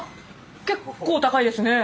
結構高いですね。